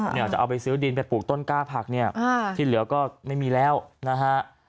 เนี่ยจะเอาไปซื้อดินไปปลูกต้นกล้าผักเนี่ยที่เหลือก็ไม่มีแล้วนะฮะ